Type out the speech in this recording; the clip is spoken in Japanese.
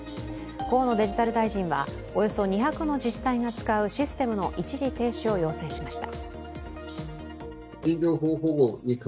河野デジタル大臣はおよそ２００の自治体が使うシステムの一時停止を要請しました。